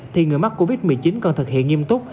thì người mắc covid một mươi chín cần thực hiện nghiêm túc